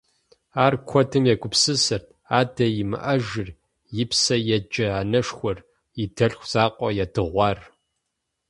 Ар куэдым егупсысырт: адэ имыӀэжыр, и псэ еджэ анэшхуэр, и дэлъху закъуэ ядыгъуар.